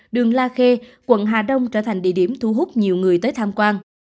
đường la khê quận hà đông trở thành địa điểm thu hút nhiều người tới tham quan